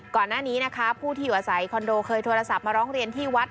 ก่อนหน้านี้นะคะผู้ที่อยู่อาศัยคอนโดเคยโทรศัพท์มาร้องเรียนที่วัด